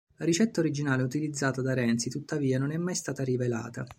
La ricetta originale utilizzata da Renzi, tuttavia, non è mai stata rivelata.